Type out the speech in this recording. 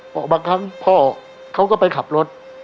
เพราะบางครั้งพ่อเขาก็ไปขับรถ